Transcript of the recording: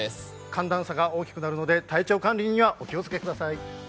寒暖差が大きくなるので、体調管理にはお気をつけください。